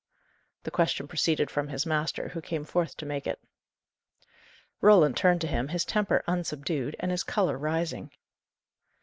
The question proceeded from his master, who came forth to make it. Roland turned to him, his temper unsubdued, and his colour rising.